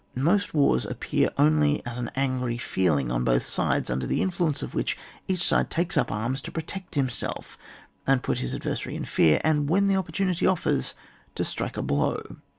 Most wars appear only as an angry feeling on bodi sides, under the influ ence of which, each side takes up arms to protect himself, and to put his ad versary in fear, and — when opportimity offers, to strike a blow.